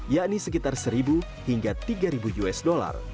yakni sekitar seribu hingga tiga ribu usd